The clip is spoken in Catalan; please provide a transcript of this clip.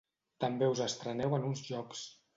També us estreneu en uns jocs.